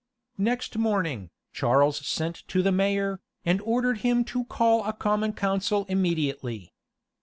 Next morning, Charles sent to the mayor, and ordered him to call a common council immediately.